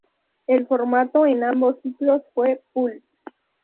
El formato en ambos ciclos fue "pulp".